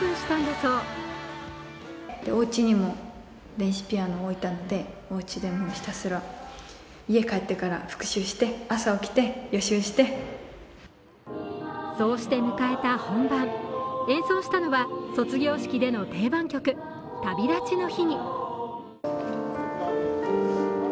そうして迎えた本番、演奏したのは卒業式での定番曲「旅立ちの日に」。